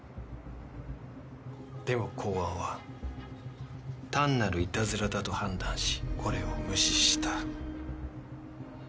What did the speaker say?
でも公安は単なるいたずらだと判断しこれを無視した。